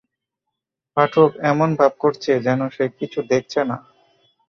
পাঠক এমন ভাব করছে যেন সে কিছু দেখছে না।